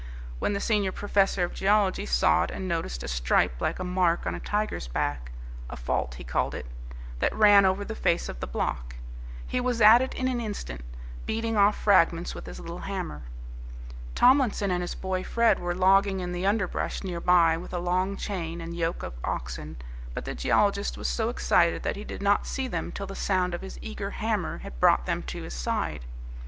When the senior professor of geology saw it and noticed a stripe like a mark on a tiger's back a fault he called it that ran over the face of the block, he was at it in an instant, beating off fragments with his little hammer. Tomlinson and his boy Fred were logging in the underbrush near by with a long chain and yoke of oxen, but the geologist was so excited that he did not see them till the sound of his eager hammer had brought them to his side.